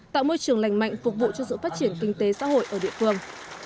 tạo môi trường lành mạnh phục vụ cho sự phát triển kinh tế xã hội ở địa phương